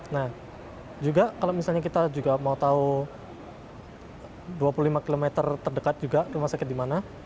nah juga kalau misalnya kita juga mau tahu dua puluh lima km terdekat juga rumah sakit di mana